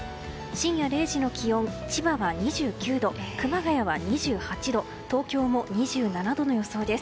深夜０時の気温、千葉は２９度熊谷は２８度東京も２７度の予想です。